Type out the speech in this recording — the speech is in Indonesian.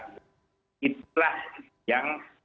itulah yang menjadi titipan kepadanya